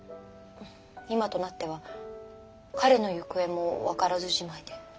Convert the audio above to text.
今となっては彼の行方も分からずじまいで。